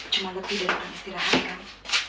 cuma lebih dari pengistirahat kan